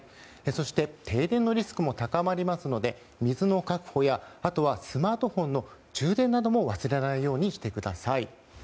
そして、停電のリスクも高まりますので水の確保やスマートフォンの充電なども忘れないようにしてください。